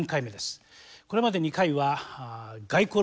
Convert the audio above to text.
これまで２回は外交の問題